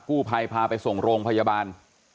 กู้ไภพาไปส่งโรงพยาบาล